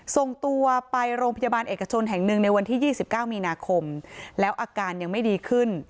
ส่งตัวไปโรงพยาบาลเอกชนแห่งหนึ่งในวันที่๒๙มีนาคมแล้วอาการยังไม่ดีขึ้น